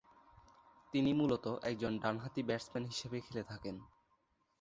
তিনি মূলত একজন ডানহাতি ব্যাটসম্যান হিসেবে খেলে থাকেন।